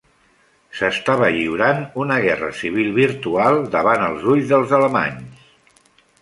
S'estava lliurant una guerra civil virtual davant els ulls dels alemanys.